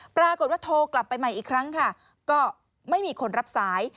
ปรากฏว่าโทรกลับไปใหม่อีกครั้งค่ะก็ไม่มีคนรับสาย